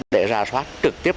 để rà soát trực tiếp